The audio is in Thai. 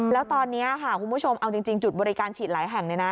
แล้วตอนนี้คุณผู้ชมจุดบริการฉีดหลายแห่ง